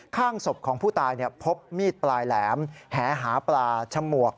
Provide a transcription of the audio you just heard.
ข้างศพของผู้ตายพบมีดปลายแหลมแหหาปลาฉมวก